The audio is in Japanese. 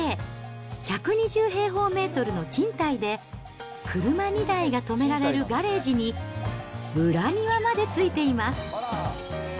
１２０平方メートルの賃貸で、車２台が止められるガレージに、裏庭までついています。